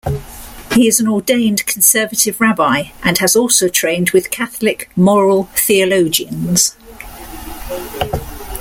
He is an ordained Conservative rabbi and has also trained with Catholic moral theologians.